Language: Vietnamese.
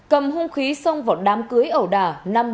cầm hung khí xong vào đám cưới ẩu đà